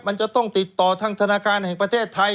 มันจะต้องติดต่อทางธนาคารแห่งประเทศไทย